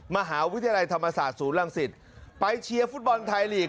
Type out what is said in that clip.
มหาวิทยาลัยธรรมศาสตร์ศูนย์รังสิตไปเชียร์ฟุตบอลไทยลีก